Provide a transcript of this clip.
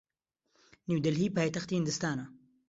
نیودەلهی پایتەختی هیندستانە.